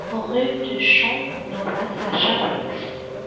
Rue de Champnovaz à Challex